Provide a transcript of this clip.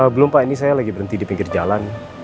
belum pak ini saya lagi berhenti dipinggir jalan